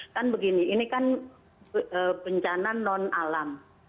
kan begini ini kan bencana non alam